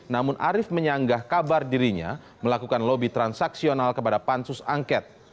namun arief menyanggah kabar dirinya melakukan lobby transaksional kepada pansus angket